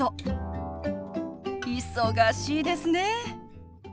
忙しいですね。